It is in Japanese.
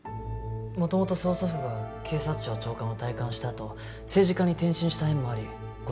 元々曾祖父が警察庁長官を退官したあと政治家に転身した縁もあり護